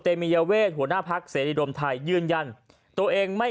มียเวทหัวหน้าพักเสรีรวมไทยยืนยันตัวเองไม่